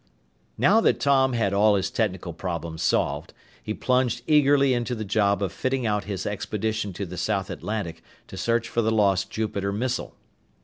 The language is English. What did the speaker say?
Now that Tom had all his technical problems solved, he plunged eagerly into the job of fitting out his expedition to the South Atlantic to search for the lost Jupiter missile.